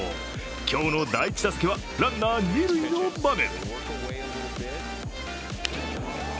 今日の第１打席はランナー・二塁の場面。